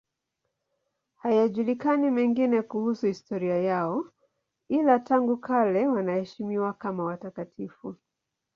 Hayajulikani mengine kuhusu historia yao, ila tangu kale wanaheshimiwa kama watakatifu.